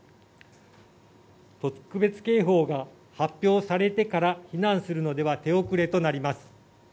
特別警報が発表されてから避難するのでは手遅れとなります。